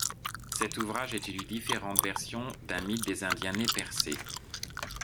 Cet ouvrage étudie différentes version d'un mythe des Indiens Nez-Percés.